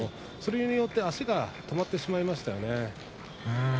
それによって足が止まってしまいましたね。